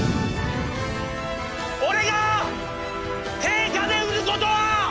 俺が定価で売ることは！